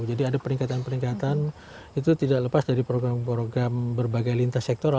jadi ada peringkatan peringkatan itu tidak lepas dari program program berbagai lintas sektor